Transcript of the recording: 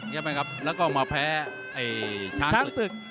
แล้วก็มาแพ้ช้างสึก